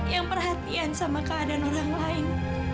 yang perhatian sama keadaan orang lain